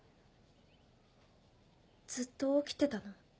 ずっと起きてたの？